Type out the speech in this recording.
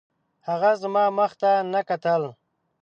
هغه زما مخ ته نه کتل